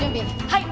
はい！